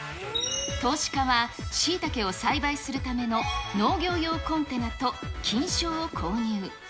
投資家は、しいたけを栽培するための農業用コンテナと菌床を購入。